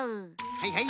はいはい。